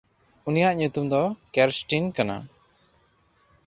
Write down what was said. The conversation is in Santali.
ᱩᱱᱤᱭᱟᱜ ᱧᱩᱛᱩᱢ ᱫᱚ ᱠᱮᱨᱥᱴᱭᱤᱱ ᱠᱟᱱᱟ᱾